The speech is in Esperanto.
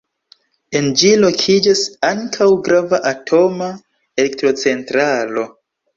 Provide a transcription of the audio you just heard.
En ĝi lokiĝas ankaŭ grava atoma elektrocentralo.